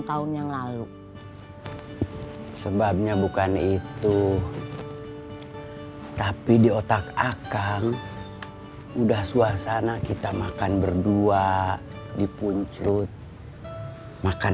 pan esy bikin telur ceproknya masih pakai resep yang sama kan